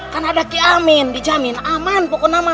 kan ada ki amin dijamin aman pokok nama